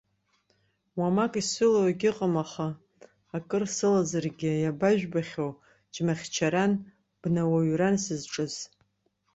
Уамак исылоу егьыҟам, аха акыр сылазаргьы, иабажәбахьоу, џьмахьчаран, бнауаҩран сызҿыз.